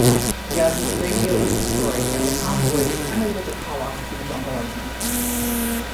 Yahzee's radio is destroyed and the convoy is unable to call off the bombardment.